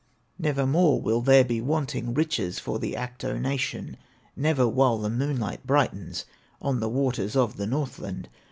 Nevermore will there be wanting Richness for the Ahto nation, Never while the moonlight brightens On the waters of the Northland.